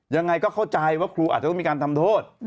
ยังไงก็เข้าใจว่าครูอาจจะต้องมีการทำโทษ